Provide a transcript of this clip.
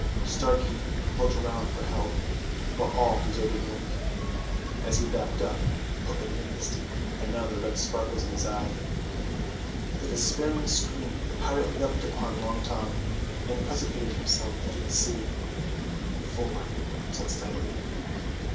Starkey looked round for help, but all deserted him. As he backed up Hook advanced, and now the red spark was in his eye. With a despairing scream the pirate leapt upon Long Tom and precipitated himself into the sea. "Four," said Slightly.